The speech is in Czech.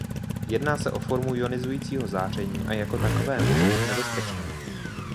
Jedná se o formu ionizujícího záření a jako takové může být nebezpečné.